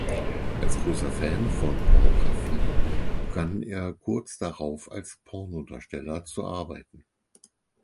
Als großer Fan von Pornografie begann er kurz darauf als Pornodarsteller zu arbeiten.